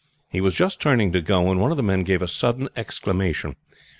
He was just turning to go when one of the men gave a sudden exclamation.